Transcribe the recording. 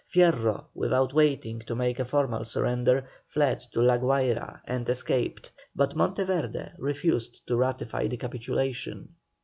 Fierro, without waiting to make a formal surrender, fled to La Guayra and escaped, but Monteverde refused to ratify the capitulation.